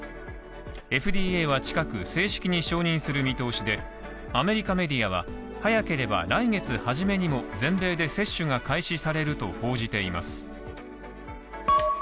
ＦＤＡは近く正式に承認する見通しで、アメリカメディアは、早ければ来月初めにも前例で接種が開始されると報じています。